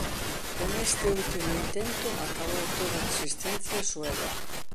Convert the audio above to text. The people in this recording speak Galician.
Con este último intento acabou toda resistencia sueva.